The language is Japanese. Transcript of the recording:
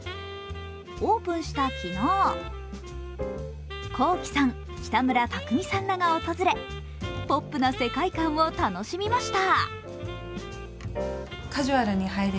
オープンした昨日、ｋｏｋｉ，さん、北村匠海さんらが訪れ、ポップな世界観を楽しみました。